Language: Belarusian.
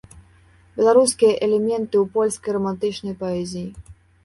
Беларускія элементы ў польскай рамантычнай паэзіі.